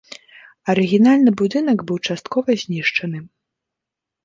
Арыгінальны будынак быў часткова знішчаны.